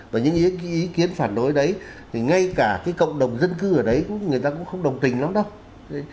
và những ý kiến phản đối đấy thì ngay cả cái cộng đồng dân cư ở đấy người ta cũng không đồng tình lắm đâu